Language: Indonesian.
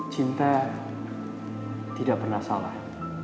cinta tidak pernah salah